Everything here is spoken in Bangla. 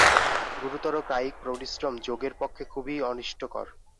গুরুতর কায়িক পরিশ্রম যোগের পক্ষে খুবই অনিষ্টকর।